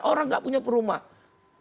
orang gak punya perumahan